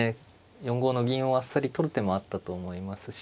４五の銀をあっさり取る手もあったと思いますし。